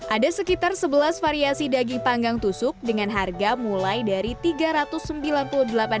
ada sekitar sebelas variasi daging panggang tusuk dengan harga mulai dari rp tiga ratus sembilan puluh delapan